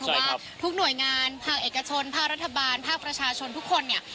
เพราะว่าทุกหน่วยงานภาคเอกชนภาครัฐบาลภาคประชาชนทุกคนเนี่ย